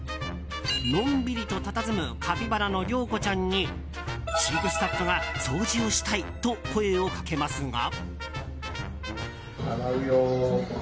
のんびりとたたずむカピバラのりょうこちゃんに飼育スタッフが掃除をしたいと声をかけますが。